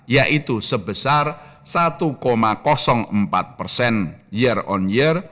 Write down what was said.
yaitu sebesar satu empat persen